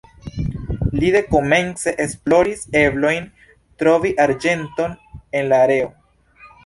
Li dekomence esploris eblojn trovi arĝenton en la areo.